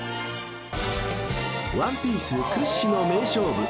［『ワンピース』屈指の名勝負］